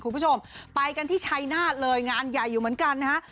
คุณผู้ชมไปกันที่ชัยนาฏเลยงานใหญ่อยู่เหมือนกันนะฮะ